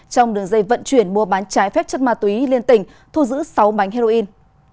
trong đường dây vận chuyển mua bán trái phép chất ma túy liên tỉnh thu giữ sáu bánh heroin